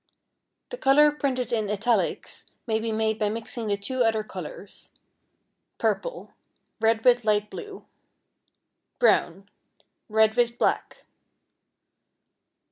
= The color printed in italics may be made by mixing the other two colors. Purple, red with light blue. Brown, red with black.